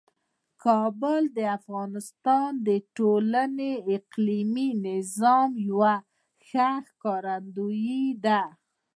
کابل د افغانستان د ټول اقلیمي نظام یو ښه ښکارندوی دی.